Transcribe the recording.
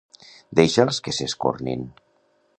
Deixa'ls que s'escornin.